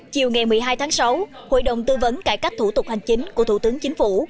chiều ngày một mươi hai tháng sáu hội đồng tư vấn cải cách thủ tục hành chính của thủ tướng chính phủ